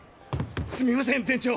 すみません店長。